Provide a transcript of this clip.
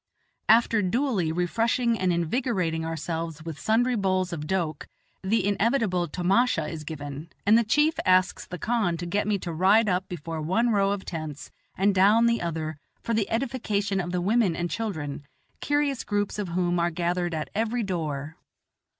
After duly refreshing and invigorating ourselves with sundry bowls of doke, the inevitable tomasha is given, and the chief asks the khan to get me to ride up before one row of tents and down the other for the edification of the women and children, curious groups of whom are gathered at every door.